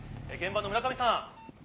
現場の村上さん。